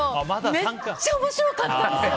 めっちゃ面白かったんですよ。